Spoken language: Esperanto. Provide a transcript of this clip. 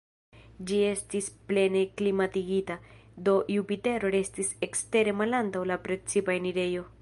Ĝi estis plene klimatigita, do Jupitero restis ekstere malantaŭ la precipa enirejo.